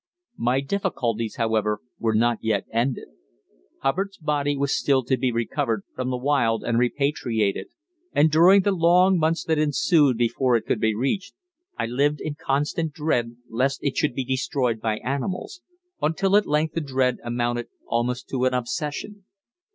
My difficulties, however, were not yet ended. Hubbard's body was still to be recovered from the wild and repatriated, and during the long months that ensued before it could be reached I lived in constant dread lest it should be destroyed by animals, until at length the dread amounted almost to an obsession.